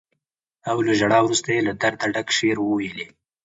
او له ژړا وروسته یې له درده ډک شعر وويلې.